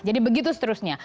jadi begitu seterusnya